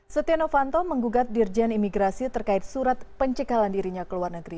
setia novanto menggugat dirjen imigrasi terkait surat pencekalan dirinya ke luar negeri